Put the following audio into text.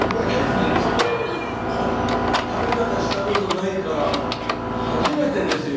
こんな食べ方したことないから初めてですよ。